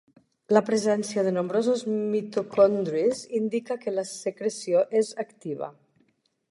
La presència de nombrosos mitocondris indica que la secreció és activa.